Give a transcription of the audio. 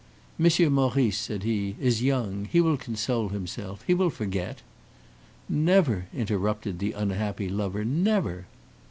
"Monsieur Maurice," said he, "is young; he will console himself he will forget." "Never!" interrupted the unhappy lover "never!"